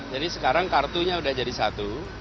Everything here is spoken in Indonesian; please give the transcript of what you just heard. jadi sekarang kartunya sudah jadi satu